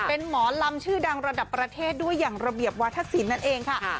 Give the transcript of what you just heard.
เป็นหมอลำชื่อดังระดับประเทศด้วยอย่างระเบียบวาธศิลป์นั่นเองค่ะ